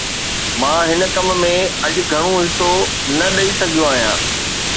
مان هن ڪم ۾ اڄ گهڻو حصو نه ڏئي سگهيو آهيان